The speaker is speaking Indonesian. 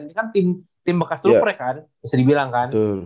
ini kan tim bekas lufrey kan bisa dibilang kan